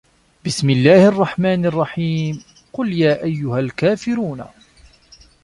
بِسمِ اللَّهِ الرَّحمنِ الرَّحيمِ قُل يا أَيُّهَا الكافِرونَ